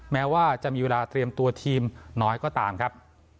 แม้ว่าจะมีเวลาเตรียมตัวทีมน้อยก็ตามครับ